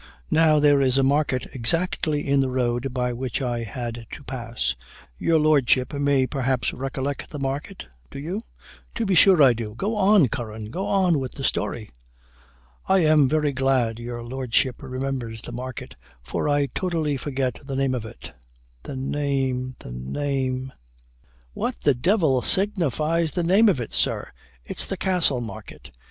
Now there is a market exactly in the road by which I had to pass your Lordship may perhaps recollect the market do you?" "To be sure I do go on, Curran go on with the story." "I am very glad your Lordship remembers the market, for I totally forget the name of it the name the name " "What the devil signifies the name of it, sir? it's the Castle Market."